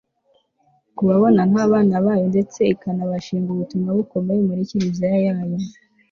kubabona nk'abana bayo ndetse ikanabashinga ubutumwa bukomeye muri kiliziya yayo